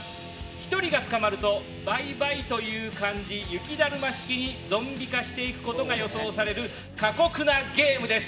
１人が捕まると倍々という感じ、雪だるま式にゾンビ化していくことが予想される過酷なゲームです。